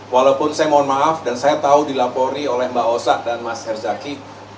walaupun saya mohon maaf dan saya tahu dilapori oleh mbak osa dan mas herzaki